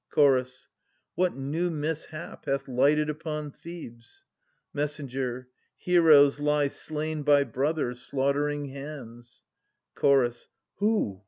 Chorus. What new mishap hath lighted upon Thebes ? Messenger. Heroes lie slain by brother slaughtering hands. Chorus. Who?